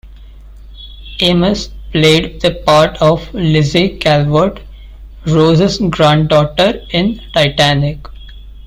Amis played the part of Lizzy Calvert, Rose's granddaughter, in "Titanic".